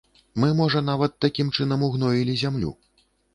Мы, можа, нават такім чынам ўгноілі зямлю.